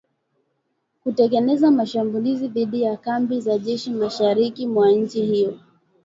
kutekeleza mashambulizi dhidi ya kambi za jeshi mashariki mwa nchi hiyo